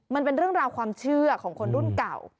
มันเป็นเรื่องราวความเชื่อของคนรุ่นเก่า